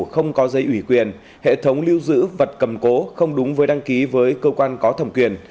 không có dây ủy quyền hệ thống lưu giữ vật cầm cố không đúng với đăng ký với cơ quan có thẩm quyền